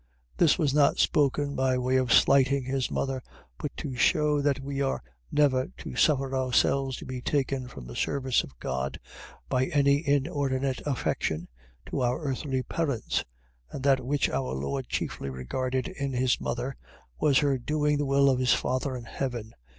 . .This was not spoken by way of slighting his mother, but to shew that we are never to suffer ourselves to be taken from the service of God, by any inordinate affection to our earthly parents: and that which our Lord chiefly regarded in his mother, was her doing the will of his Father in heaven.